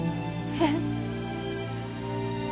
えっ？